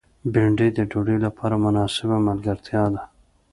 بېنډۍ د ډوډۍ لپاره مناسبه ملګرتیا ده